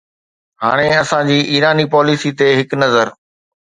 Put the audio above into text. هاڻي اسان جي ايران پاليسي تي هڪ نظر.